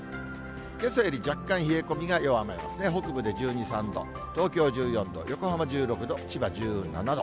けさより若干冷え込みが弱まりますね、北部で１２、３度、東京１４度、横浜１６度、千葉１７度。